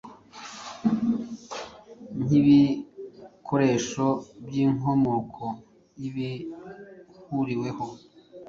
nkibikoresho byinkomoko yibihuriweho